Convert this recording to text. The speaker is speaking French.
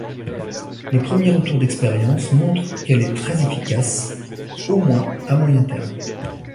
Les premiers retours d'expériences montrent qu'elle est très efficace, au moins à moyen terme.